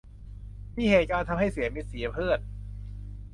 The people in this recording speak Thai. มีเหตุการณ์ทำให้เสียมิตรเสียเพื่อน